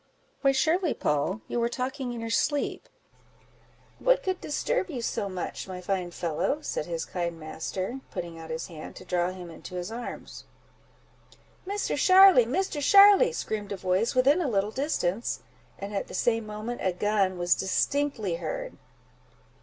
"Why surely, Poll, you were talking in your sleep; what could disturb you so much, my fine fellow?" said his kind master, putting out his hand to draw him into his arms. "Misser Sharly! Misser Sharly!" screamed a voice within a little distance, and at the same moment a gun was distinctly heard.